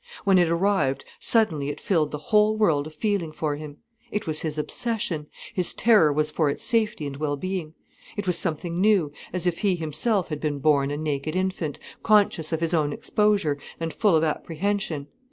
When it arrived, suddenly it filled the whole world of feeling for him. It was his obsession, his terror was for its safety and well being. It was something new, as if he himself had been born a naked infant, conscious of his own exposure, and full of apprehension.